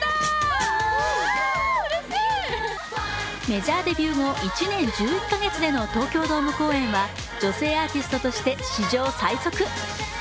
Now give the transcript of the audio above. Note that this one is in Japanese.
メジャーデビュー後１年１１か月での東京ドーム公演は女性アーティストとして史上最速。